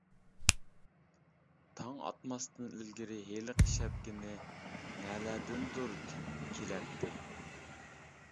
تاڭ ئاتماستىن ئىلگىرى ھېلىقى شەپكىنى نەلەردىندۇر تېپىپ كېلەتتى.